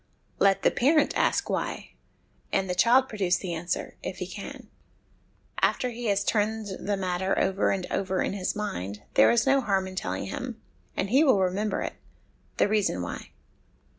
Let the parent ask 'Why?' and the child produce the answer, if he can. After he has turned the matter over and over in his mind, there is no harm in telling him and he will remember it the reason why.